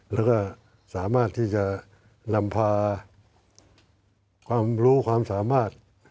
แล้วก็สามารถที่จะลำพาความรู้ความสามารถ